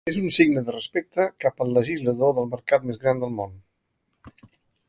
És un signe de respecte cap al legislador del mercat més gran del món.